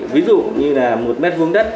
ví dụ như là một m hai đất